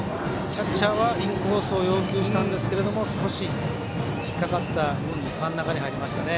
キャッチャーはインコースを要求しましたが少し引っかかった分真ん中に入りましたね。